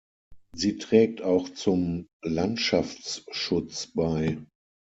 Sie trägt auch zum Landschaftsschutz bei.